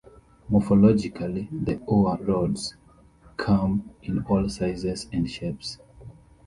Morphologically, the Auer "rods" come in all sizes and shapes.